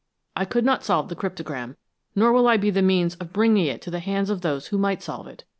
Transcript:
I could not solve the cryptogram, nor will I be the means of bringing it to the hands of those who might solve it.